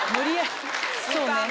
そうね。